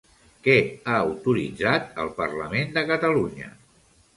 Què ha autoritzat el Parlament de Catalunya?